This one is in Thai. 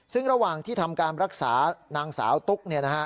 ซึ่งระหว่างที่ทำการรักษานางสาวตุ๊ก